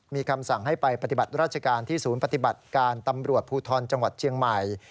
มีคำสั่งให้ไปปฏิบัติราชการที่ศูนย์ปฏิบัติการตำรวจภูทรจังหวัดเชียงใหม่